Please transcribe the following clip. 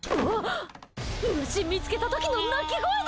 虫見つけた時の鳴き声だ！